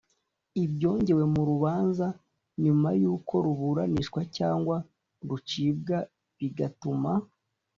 ibyongewe mu rubanza nyuma y uko ruburanishwa cyangwa rucibwa bigatuma